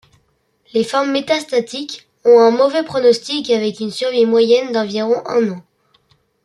Les formes métastatiques ont un mauvais pronostic avec une survie moyenne d'environ un an.